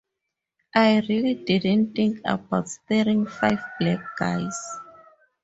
I really didn't think about starting five black guys.